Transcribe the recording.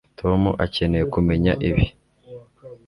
Tom akeneye kumenya ibi